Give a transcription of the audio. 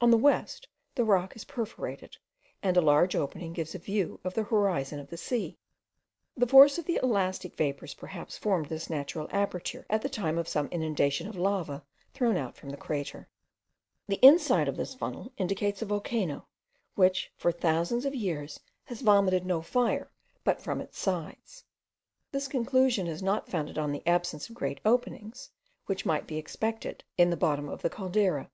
On the west the rock is perforated; and a large opening gives a view of the horizon of the sea. The force of the elastic vapours perhaps formed this natural aperture, at the time of some inundation of lava thrown out from the crater. The inside of this funnel indicates a volcano, which for thousands of years has vomited no fire but from its sides. This conclusion is not founded on the absence of great openings, which might be expected in the bottom of the Caldera.